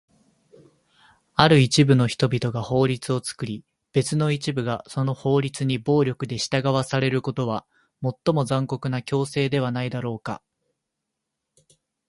ある一部の人々が法律を作り、別の一部がその法律に暴力で従わされることは、最も残酷な強制ではないだろうか？